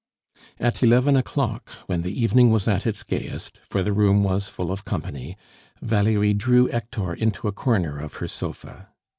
At eleven o'clock, when the evening was at its gayest, for the room was full of company, Valerie drew Hector into a corner of her sofa.